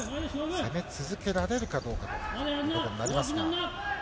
攻め続けられるかどうかということになりますが。